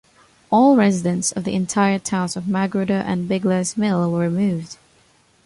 All residents of the entire towns of Magruder and Bigler's Mill were removed.